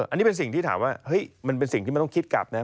อันนี้เป็นสิ่งที่ถามว่าเฮ้ยมันเป็นสิ่งที่มันต้องคิดกลับนะ